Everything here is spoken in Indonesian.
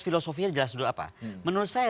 filosofinya jelas dulu apa menurut saya